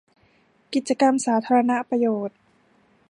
กิจกรรมสาธารณประโยชน์